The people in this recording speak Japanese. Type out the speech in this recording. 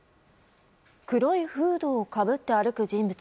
黒いフードをかぶって歩く人物。